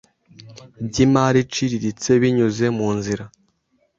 by imari iciriritse binyuze mu nzira